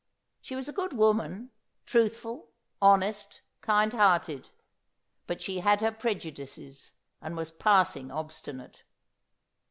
She was a good woman — truthful, honest, kindhearted — but she had her prejudices, and was passing obstinate.